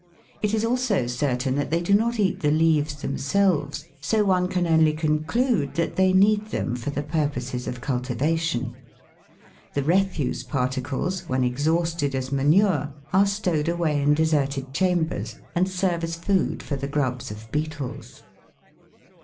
It is also certain that they do not eat the leaves themselves, so one can only conclude that they need them for the purposes of cultivation. The refuse particles, when exhausted as manure, are stowed away in deserted chambers, and serve as food for the grubs of beetles.